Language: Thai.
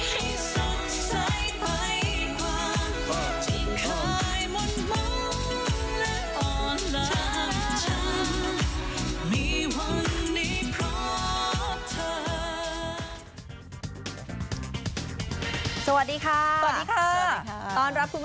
ให้สงสัยไปกว่าที่เคยมนต์มุ่งและอ่อนหลัก